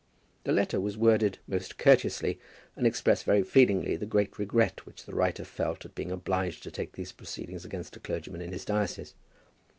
The letter was worded most courteously, and expressed very feelingly the great regret which the writer felt at being obliged to take these proceedings against a clergyman in his diocese.